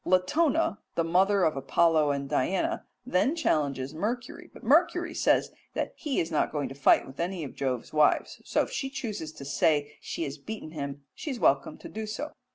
Latona, the mother of Apollo and Diana, then challenges Mercury, but Mercury says that he is not going to fight with any of Jove's wives, so if she chooses to say she has beaten him she is welcome to do so.